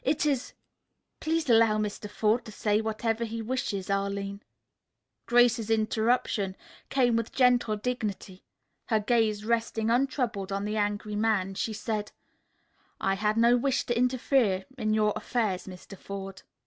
It is " "Please allow Mr. Forde to say whatever he wishes, Arline." Grace's interruption came with gentle dignity. Her gaze resting untroubled on the angry man, she said: "I had no wish to interfere in your affairs, Mr. Forde."